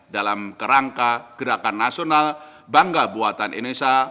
dalam kerangka gerakan nasional bangga buatan indonesia